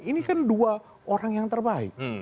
ini kan dua orang yang terbaik